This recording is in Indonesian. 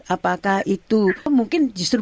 apakah itu mungkin justru